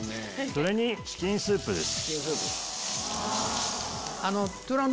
それにチキンスープです。